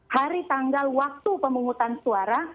hari tanggal waktu pemungutan suara